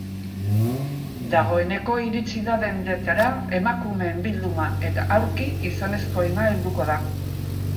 Dagoeneko iritsi da dendetara emakumeen bilduma eta aurki gizonezkoena helduko da.